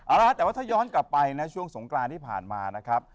เอาล่ะแต่ถ้าย้อนกลับไปนะช่วงสงกรรมที่ผ่านมา